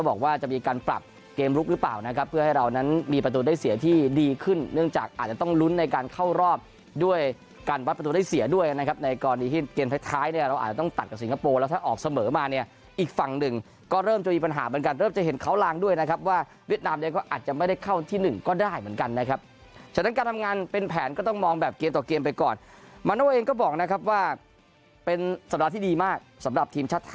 ก็บอกว่าจะมีการปรับเกมลุคหรือเปล่านะครับเพื่อให้เรานั้นมีประตูได้เสียที่ดีขึ้นเนื่องจากอาจจะต้องลุ้นในการเข้ารอบด้วยการวัดประตูได้เสียด้วยนะครับในกรณีที่เกมพักท้ายเนี่ยเราอาจจะต้องตัดกับสิงคโปร์แล้วถ้าออกเสมอมาเนี่ยอีกฝั่งหนึ่งก็เริ่มจะมีปัญหาเหมือนกันเริ่มจะเห็นเค้าลางด้วยนะครับ